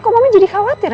kok mama jadi khawatir